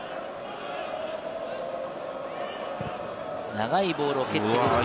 長いボールを蹴ってくる。